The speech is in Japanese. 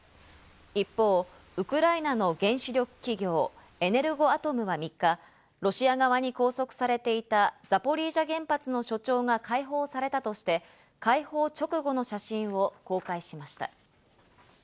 一方、ウクライナの原子力企業エネルゴアトムは３日、ロシア側に拘束されていたザポリージャ原発の所長が解放されたとして、解放直後の写真を公開しました。